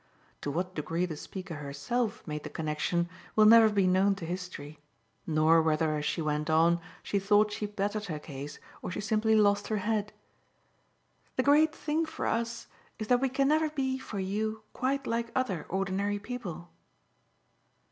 To what degree the speaker herself made the connexion will never be known to history, nor whether as she went on she thought she bettered her case or she simply lost her head. "The great thing for us is that we can never be for you quite like other ordinary people."